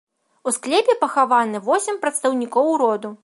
У склепе пахаваны восем прадстаўнікоў роду.